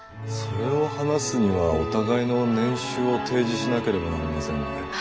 それを話すにはお互いの年収を提示しなければなりませんね。